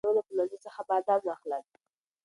زه به سبا د مېوو له پلورنځي څخه بادام واخلم.